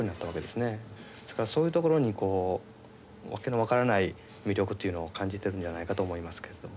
そういうところにこう訳の分からない魅力というのを感じてるんじゃないかと思いますけれども。